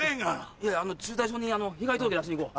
いやいや駐在所に被害届出しに行こう。